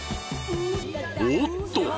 おっと！